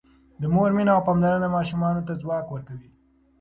د مور مینه او پاملرنه ماشومانو ته ځواک ورکوي.